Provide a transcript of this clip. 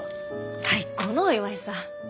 最高のお祝いさ。